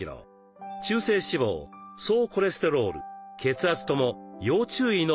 中性脂肪総コレステロール血圧とも要注意のレベルでした。